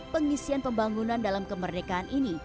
pengisian pembangunan dalam kemerdekaan ini